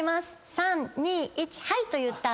３２１はいと言ったその瞬間